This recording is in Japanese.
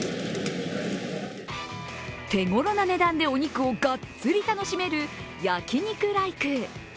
手頃な値段でお肉をがっつり楽しめる焼肉ライク。